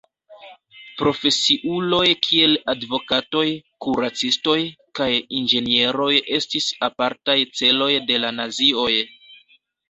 Profesiuloj kiel advokatoj, kuracistoj kaj inĝenieroj estis apartaj celoj de la nazioj.